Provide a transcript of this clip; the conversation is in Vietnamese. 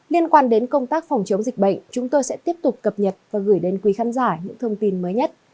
liên quan đến công tác phòng chống dịch bệnh chúng tôi sẽ tiếp tục cập nhật và gửi đến quý khán giả những thông tin mới nhất